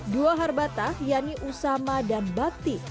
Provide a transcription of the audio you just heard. dua harbatah yaitu usama dan bakti